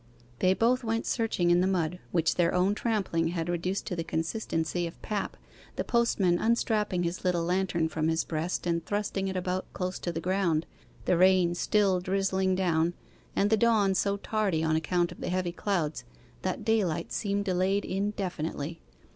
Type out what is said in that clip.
They both went searching in the mud, which their own trampling had reduced to the consistency of pap, the postman unstrapping his little lantern from his breast, and thrusting it about, close to the ground, the rain still drizzling down, and the dawn so tardy on account of the heavy clouds that daylight seemed delayed indefinitely.